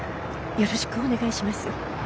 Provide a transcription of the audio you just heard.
よろしくお願いします。